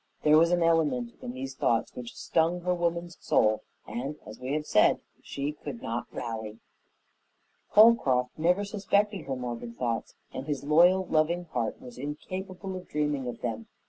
There was an element in these thoughts which stung her woman's soul, and, as we have said, she could not rally. Holcroft never suspected her morbid thoughts, and his loyal, loving heart was incapable of dreaming of them.